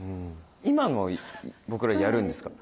今の僕らやるんですか？